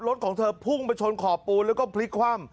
รถของเธอพุ่งไปชนขอบปูนแล้วก็พลิกคว่ำ